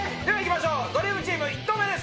では行きましょうドリームチーム１投目。